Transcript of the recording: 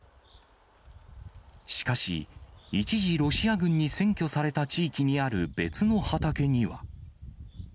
しかし、一時ロシア軍に占拠された地域にある別の畑には。